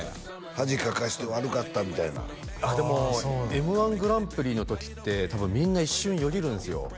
「恥かかせて悪かった」みたいなでもＭ−１グランプリの時って多分みんな一瞬よぎるんですよ